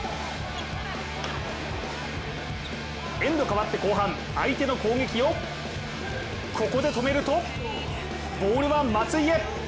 エンド変わって後半相手の攻撃をここで止めると、ボールは松井へ。